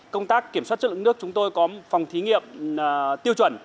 công tác kiểm soát chất lượng nước chúng tôi có phòng thí nghiệm tiêu chuẩn